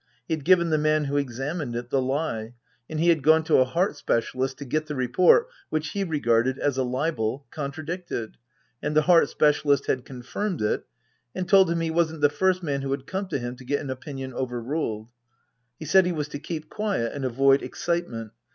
He had given the man who examined it the lie ; and he had gone to a heart specialist to get the report (which he regarded as a libel) contradicted, and the heart specialist had confirmed it, and told him he wasn't the first man who had come to him to get an opinion overruled. He said he was to keep quiet and avoid excitement.